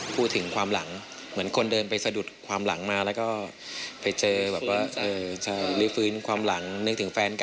พูดถึงความหลังเหมือนคนเดินไปสะดุดความหลังมาแล้วก็ไปเจอแบบว่าจะลื้อฟื้นความหลังนึกถึงแฟนกัน